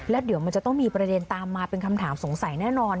แล้วเดี๋ยวมันจะต้องมีประเด็นตามมาเป็นคำถามสงสัยแน่นอน